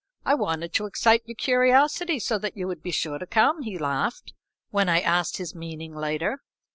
"I wanted to excite your curiosity so that you would be sure to come," he laughed, when I asked his meaning later.